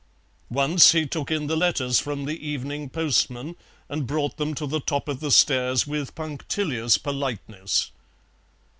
Once he took in the letters from the evening postman, and brought them to the top of the stairs with punctilious politeness.